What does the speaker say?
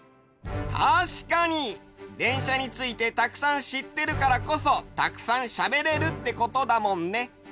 たしかにでんしゃについてたくさんしってるからこそたくさんしゃべれるってことだもんね。